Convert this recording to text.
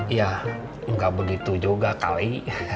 iya nggak begitu juga kali